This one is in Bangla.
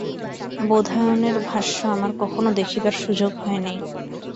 বোধায়নের ভাষ্য আমার কখনও দেখিবার সুযোগ হয় নাই।